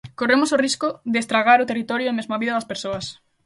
Corremos o risco de estragar o territorio e mesmo a vida das persoas.